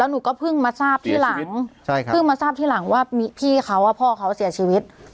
หนูก็เพิ่งมาทราบที่หลังเพิ่งมาทราบทีหลังว่ามีพี่เขาว่าพ่อเขาเสียชีวิต